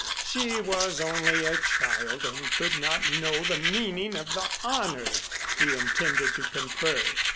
She was only a child and could not know the meaning of the honor he intended to confer.